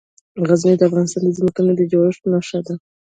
غزني د افغانستان د ځمکې د جوړښت نښه ده.